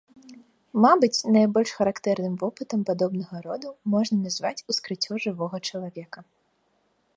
Мабыць, найбольш характэрным вопытам падобнага роду можна назваць ускрыццё жывога чалавека.